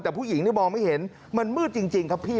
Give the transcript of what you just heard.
แต่ผู้หญิงมองไม่เห็นมันมืดจริงครับพี่